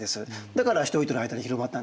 だから人々の間に広まったんですね。